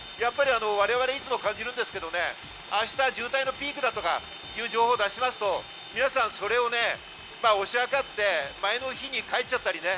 我々いつも感じるんですけどね、明日渋滞のピークだとかいう情報を出しますと、皆さんそれを押しはかって前の日に帰っちゃったりね。